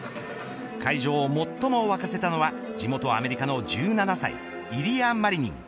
会場を最も沸かせたのは地元アメリカの１７歳イリア・マリニン。